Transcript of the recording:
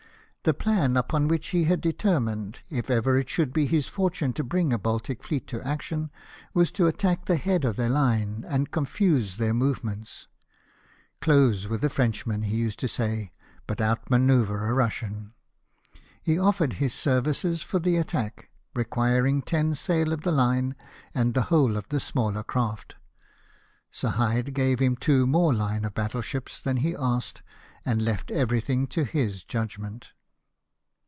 The plan upon which he had determined, if ever it should be his fortune to bring a Baltic fleet to action, was to attack the head of their line and confuse their movements. " Close with a Frenchman," he used to say, " but out manoeuvre a Russian." He offered his services for the attack, requiring ten sail of the line and the whole of the smaller craft. Sir Hyde gave him two more line of battle ships than he asked, and left everything to his judgment.